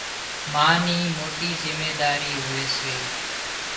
ما ني موٽي زميواري هوئي سي